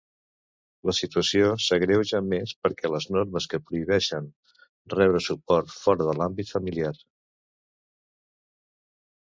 La situació s'agreuja més perquè les normes que prohibeixen rebre suport fora de l'àmbit familiar.